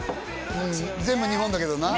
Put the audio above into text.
うん全部日本だけどな？